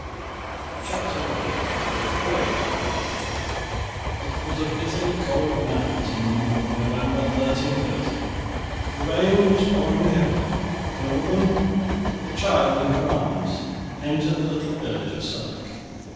CHAPTER I: A WAYFARER It was a bitterly cold night in the month of November, 1330. The rain was pouring heavily, when a woman, with child in her arms, entered the little village of Southwark.